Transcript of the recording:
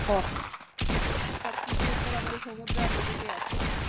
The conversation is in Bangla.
সবকিছুর উত্তর আমাদের সমুদ্র আর মাটিতেই আছে।